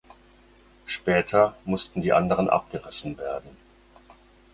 Später mussten die anderen abgerissen werden.